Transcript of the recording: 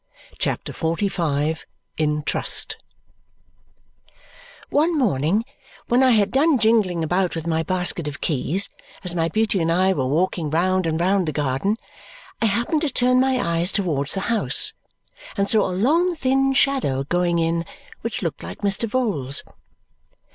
CHAPTER XLV In Trust One morning when I had done jingling about with my baskets of keys, as my beauty and I were walking round and round the garden I happened to turn my eyes towards the house and saw a long thin shadow going in which looked like Mr. Vholes.